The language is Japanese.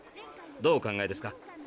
どうお考えですか？